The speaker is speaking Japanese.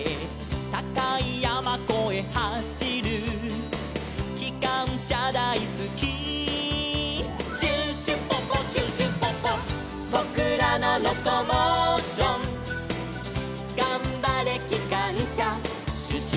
「たかいやまこえはしる」「きかんしゃだいすき」「シュシュポポシュシュポポ」「ぼくらのロコモーション」「がんばれきかんしゃシュシュポポ」